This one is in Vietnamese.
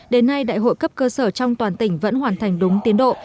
đến nay đại hội cấp cơ sở trong toàn tỉnh vẫn hoàn thành đúng tiến độ